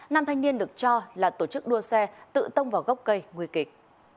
nam thanh niên được cho là tổ chức đua xe tự tông vào gốc cây nguy kịch